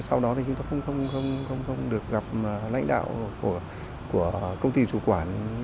sau đó thì chúng tôi không được gặp lãnh đạo của công ty chủ quản